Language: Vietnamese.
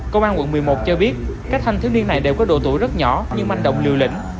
công an quận một mươi một cho biết các thanh thiếu niên này đều có độ tuổi rất nhỏ nhưng manh động liều lĩnh